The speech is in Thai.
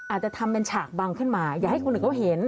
อาจจะทำเป็นฉากบังขึ้นมาอย่าให้คนอื่นเขาเห็น